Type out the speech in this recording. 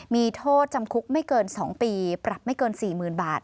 มีโทษจำคุกไม่เกิน๒ปีปรับไม่เกิน๔๐๐๐บาท